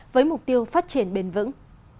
công tiêu phát triển bền vững